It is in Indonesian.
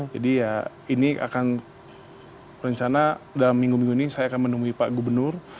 jadi ya ini akan rencana dalam minggu minggu ini saya akan menemui pak gubernur